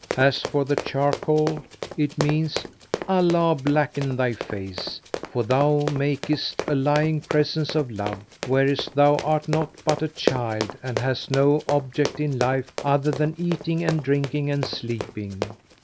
As for the charcoal, it means 'Allah blacken thy face'[FN#504] for thou makest a lying presence of love, whereas thou art naught but a child and hast no object in life other than eating and drinking and sleeping!